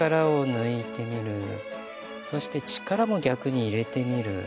そして力も逆に入れてみる。